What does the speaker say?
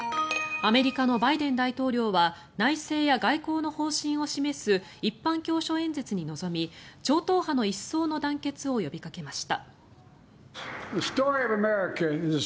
アメリカのバイデン大統領は内政や外交の方針を示す一般教書演説に臨み超党派の一層の団結を呼びかけました。